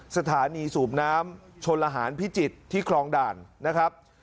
สถานีสูบน้ำชนลหารพิจิตรที่คลองด่านนะครับ